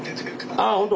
ああ本当。